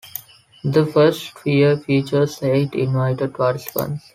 The first year featured eight invited participants.